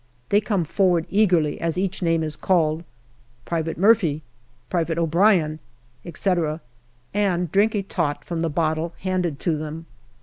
They come forward eagerly as each name is called, " Private Murphy ! Private O'Brien !" etc., and drink a tot from the bottle handed to them.